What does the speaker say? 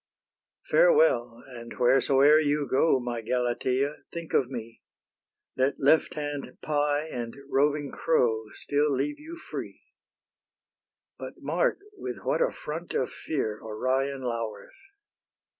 Farewell! and wheresoe'er you go, My Galatea, think of me: Let lefthand pie and roving crow Still leave you free. But mark with what a front of fear Orion lowers.